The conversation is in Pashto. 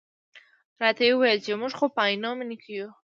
راته یې وویل چې موږ خو په عینومېنه کې یو.